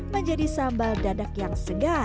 menjadi sambal dadak yang segar